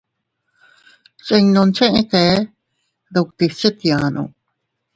Chinno cheʼe kee dutti se chetiano.